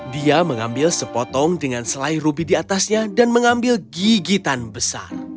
dia mengambil sepotong dengan selai rubi di atasnya dan mengambil gigitan besar